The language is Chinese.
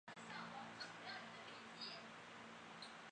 这种生物后来被吸纳入伊特鲁里亚神话中。